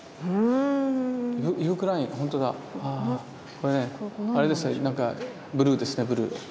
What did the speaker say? これねあれですねなんかブルーですねブルー。